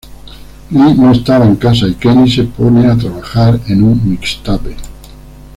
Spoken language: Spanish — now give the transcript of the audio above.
Lee no estaba en casa, y Kenny se pone a trabajar en un mixtape.